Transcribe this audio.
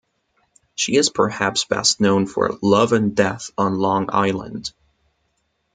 She is perhaps best known for "Love and Death on Long Island".